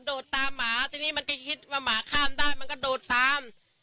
ดตามหมาทีนี้มันก็คิดว่าหมาข้ามได้มันก็โดดตาม